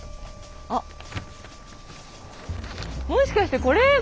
あっもしかしてこれ？